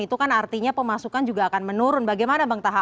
itu kan artinya pemasukan juga akan menurun bagaimana bang taha